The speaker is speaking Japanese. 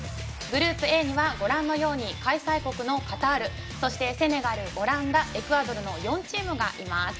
グループＡには開催国のカタールそしてセネガル、オランダエクアドルの４チームがいます。